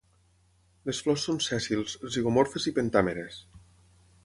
Les flors són sèssils, zigomorfes i pentàmeres.